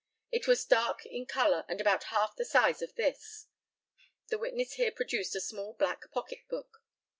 It was dark in colour, and about half the size of this. (The witness here produced a small black pocketbook).